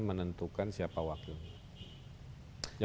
menentukan siapa wakilnya